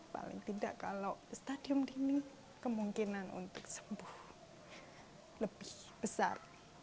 paling tidak kalau stadium dini kemungkinan untuk sembuh lebih besar